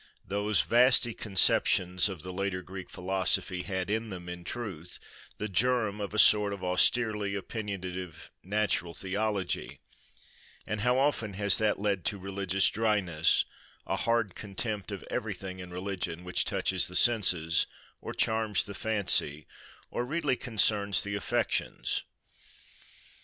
Those vasty conceptions of the later Greek philosophy had in them, in truth, the germ of a sort of austerely opinionative "natural theology," and how often has that led to religious dryness—a hard contempt of everything in religion, which touches the senses, or charms the fancy, or really concerns the affections.